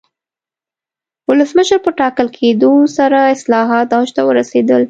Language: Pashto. ولسمشر په ټاکل کېدو سره اصلاحات اوج ته ورسېدل.